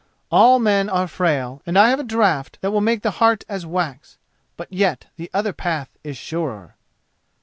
All men are frail, and I have a draught that will make the heart as wax; but yet the other path is surer."